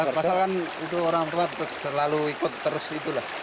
ya pas orang tua selalu ikut terus itu lah